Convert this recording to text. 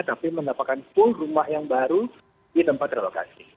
tapi mendapatkan full rumah yang baru di tempat relokasi